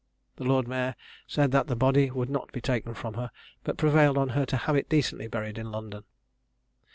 The Lord Mayor said that the body would not be taken from her, but prevailed on her to have it decently buried in London.